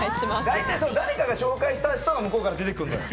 大体誰かが紹介した人が、向こうから出てくるのよ。